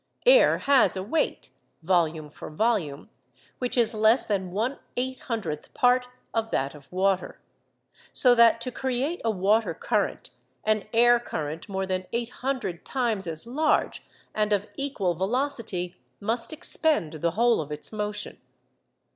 Air has a weight—volume for volume—which is less than one eight hundredth part of that of water. So that, to create a water current, an air current more than eight hundred times as large and of equal velocity must expend the whole of its motion.